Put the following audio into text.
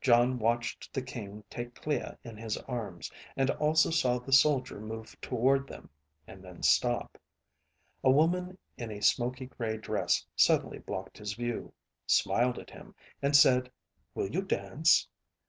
Jon watched the King take Clea in his arms, and also saw the soldier move toward them, and then stop. A woman in a smoky gray dress suddenly blocked his view, smiled at him, and said, "Will you dance?"